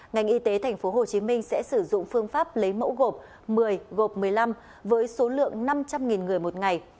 ngành y tế tp hcm sẽ sử dụng phương pháp lấy mẫu gộp một mươi gộp một mươi năm với số lượng năm trăm linh người một ngày